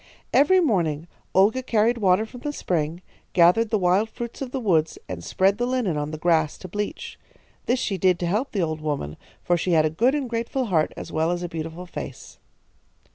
"Every morning Olga carried water from the spring, gathered the wild fruits of the woods, and spread the linen on the grass to bleach. This she did to help the old woman, for she had a good and grateful heart as well as a beautiful face.